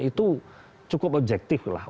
itu cukup objektif lah